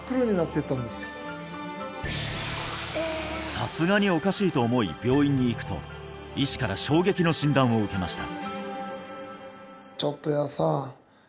さすがにおかしいと思い病院に行くと医師から衝撃の診断を受けました